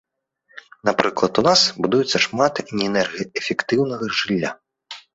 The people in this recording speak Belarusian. Напрыклад, у нас будуецца шмат неэнергаэфектыўнага жылля.